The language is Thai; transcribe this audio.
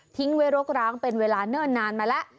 ไว้รกร้างเป็นเวลาเนิ่นนานมาแล้ว